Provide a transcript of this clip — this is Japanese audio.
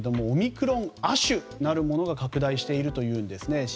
オミクロン亜種なるものが拡大しているというんですね。